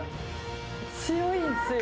強いんすよ。